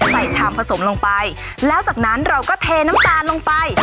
ชามผสมลงไปแล้วจากนั้นเราก็เทน้ำตาลลงไป